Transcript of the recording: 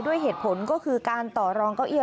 ด้วยเหตุผลก็คือการต่อรองเก้าอี้